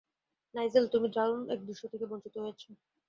Nigel, তুমি দারুণ এক দৃশ্য থেকে বঞ্চিত হয়েছ।